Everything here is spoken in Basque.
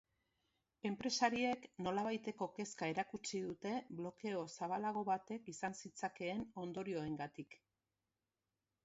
Enpresariek nolabaiteko kezka erakutsi dute blokeo zabalago batek izan zitzakeen ondorioengatik.